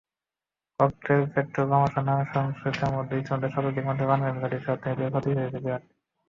ককটেল-পেট্রলবোমাসহ নানা সহিংসতায় ইতিমধ্যে শতাধিক মানুষের প্রাণহানি ঘটেছে, অর্থনীতির ক্ষতিও হয়েছে বিরাট।